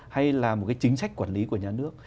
hay là một cái chính sách quản lý của nhà nước